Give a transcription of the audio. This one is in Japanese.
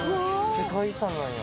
世界遺産なんや。